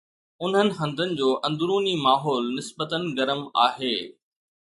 انهن هنڌن جو اندروني ماحول نسبتا گرم آهي